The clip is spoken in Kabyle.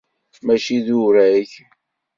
Mačči d urag.